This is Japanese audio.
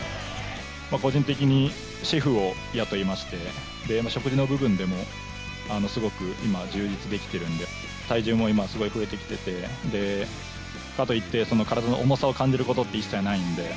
個人的にシェフを雇いまして、食事の部分でもすごく今、充実できてるんで、体重も今、すごい増えてきてて、かといって体の重さを感じることって一切ないんで。